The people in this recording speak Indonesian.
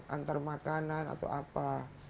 antar makanan atau apa